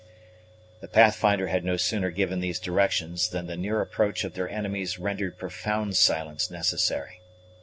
The Pathfinder had no sooner given these directions than the near approach of their enemies rendered profound silence necessary.